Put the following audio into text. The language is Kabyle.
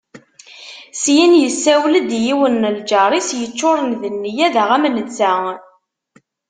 Syin, yessawel-d i yiwen n lǧar-is yeččuren d nneyya daɣ am netta.